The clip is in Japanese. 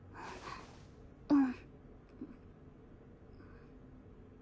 うん。